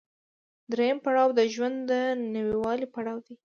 درېیم پړاو د ژوند د نويوالي پړاو دی